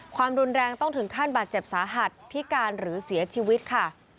ความรุนแรงต้องถึงขั้นบาดเจ็บสาหัสพิการหรือเสียชีวิตค่ะ